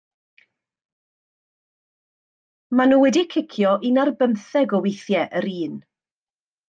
Maen nhw wedi cicio un ar bymtheg o weithiau yr un.